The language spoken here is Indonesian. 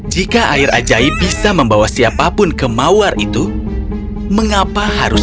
jika air ajaib bisa membawa siapapun ke mawar itu mengapa harus